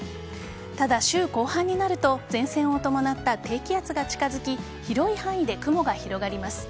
ただ、週後半になると前線を伴った低気圧が近づき広い範囲で雲が広がります。